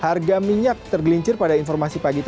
harga minyak tergelincir pada informasi pagi tadi